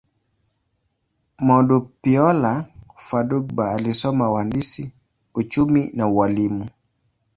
Modupeola Fadugba alisoma uhandisi, uchumi, na ualimu.